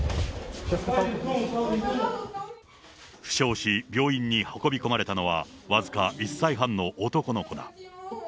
負傷し、病院に運び込まれたのは、僅か１歳半の男の子だ。